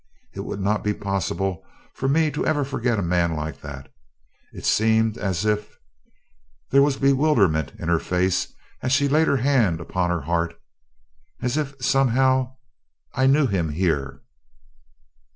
It would not be possible for me ever to forget a man like that. It seemed as if " there was bewilderment in her face as she laid her hand upon her heart "as if, somehow, I knew him here."